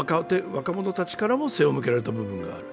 若者たちからも背を向けられた部分がある。